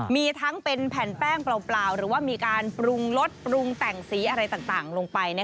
มีทั้งเป็นแผ่นแป้งเปล่าหรือว่ามีการปรุงรสปรุงแต่งสีอะไรต่างลงไป